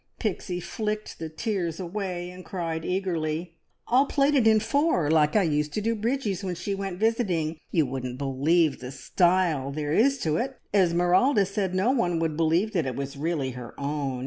Pixie flicked the tears away and cried eagerly "I'll plait it in four, like I used to do Bridgie's when she went visiting. You wouldn't believe the style there is to ut. Esmeralda said no one would believe that it was really her own.